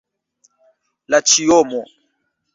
La ĉiomo.